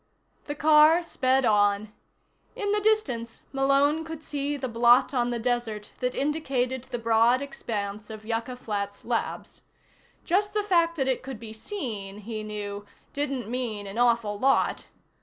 The car sped on. In the distance, Malone could see the blot on the desert that indicated the broad expanse of Yucca Flats Labs. Just the fact that it could be seen, he knew, didn't mean an awful lot.